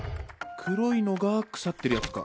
黒いのが腐ってるやつか。